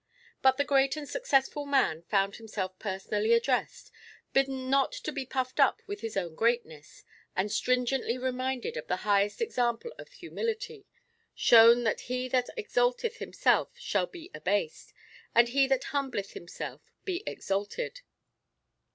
But the great and successful man found himself personally addressed, bidden not to be puffed up with his own greatness, and stringently reminded of the highest Example of humility, shown that he that exalteth himself shall be abased, and he that humbleth himself be exalted.